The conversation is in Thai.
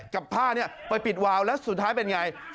กับผ้านี้ไปปิดวาวแล้วสุดท้ายเป็นไง